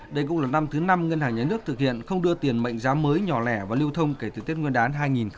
đây cũng là năm thứ năm ngân hàng nhà nước thực hiện không đưa tiền mệnh giá mới nhỏ lẻ và lưu thông kể từ tết nguyên đán hai nghìn hai mươi